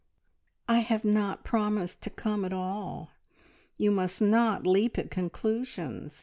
"I have not promised to come at all. You must not leap at conclusions.